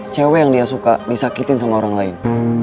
cewek yang dia suka disakitin sama orang lain